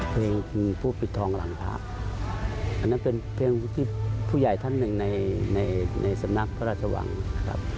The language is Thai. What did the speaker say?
เพลงคือผู้ปิดทองหลังพระอันนั้นเป็นเพียงผู้ที่ผู้ใหญ่ท่านหนึ่งในในสำนักพระราชวังนะครับ